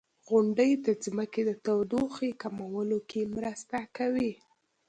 • غونډۍ د ځمکې د تودوخې کمولو کې مرسته کوي.